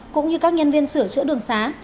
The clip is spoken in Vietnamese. cũng như các nhân viên sửa chữa đường xá